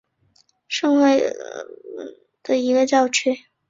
圣公会考文垂教区是英格兰教会坎特伯雷教省下面的一个教区。